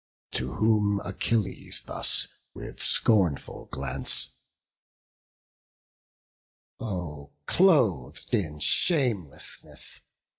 To whom Achilles thus with scornful glance; "Oh, cloth'd in shamelessness!